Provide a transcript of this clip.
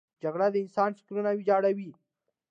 جګړه د انسان فکرونه ویجاړوي